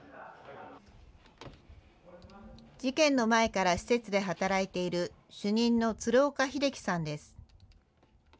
事件の前から施設で働いている主任の鶴岡秀樹さんです。